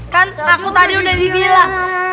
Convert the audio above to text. kan aku tadi udah dibilang